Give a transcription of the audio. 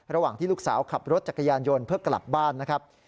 ระหว่างที่ลูกสาวขับรถจักรยานยนต์เพื่อกลับบ้านนะครับ